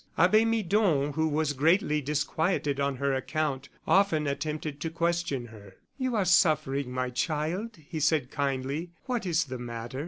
Abbe Midon, who was greatly disquieted on her account, often attempted to question her. "You are suffering, my child," he said, kindly. "What is the matter?"